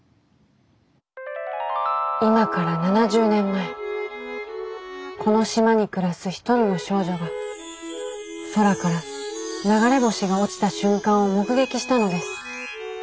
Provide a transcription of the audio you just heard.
今から７０年前この島に暮らす１人の少女が空から流れ星が落ちた瞬間を目撃したのです。